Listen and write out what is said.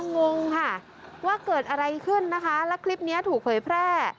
งงค่ะว่าเกิดอะไรขึ้นนะคะแล้วคลิปนี้ถูกเผยแพร่